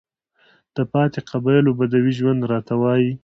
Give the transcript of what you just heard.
د پاتې قبايلو بدوى ژوند راته وايي،